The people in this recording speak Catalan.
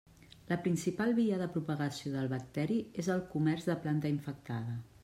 La principal via de propagació del bacteri és el comerç de planta infectada.